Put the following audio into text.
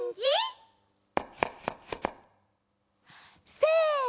せの！